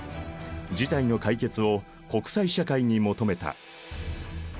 事態の解決を国際社会に求めた。